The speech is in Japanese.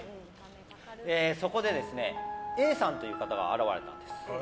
そこで、Ａさんという方が現れたんです。